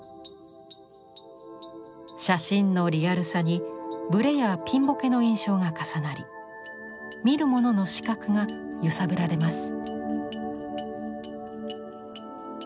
写真のリアルさにブレやピンボケの印象が重なり見る者の視覚が揺さぶられます。